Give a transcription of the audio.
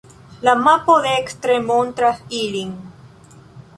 La mapo dekstre montras ilin.